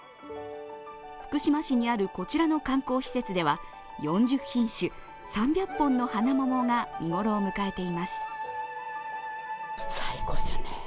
福島市にある、こちらの観光施設では４０品種、３００本の花桃が見頃を迎えています。